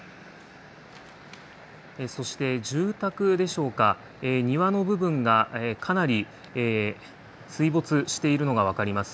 そして住宅でしょうか、庭の部分がかなり水没しているのが分かります。